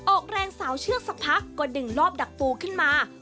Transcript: ออกแรงสาวเชือกสักพักก็ดึงรอบดักปูขึ้นมา